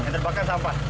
yang terbakar sampah